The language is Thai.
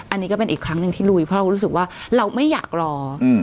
อันนี้ก็เป็นอีกครั้งหนึ่งที่ลุยเพราะเรารู้สึกว่าเราไม่อยากรอ